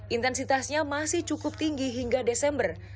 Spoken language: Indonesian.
intensitasnya masih cukup tinggi hingga desember